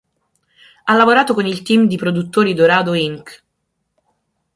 Ha lavorato con il team di produttori Dorado Inc.